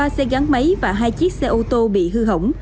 ba xe gắn máy và hai chiếc xe ô tô bị hư hỏng